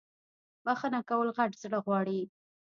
بخښنه کول غت زړه غواړی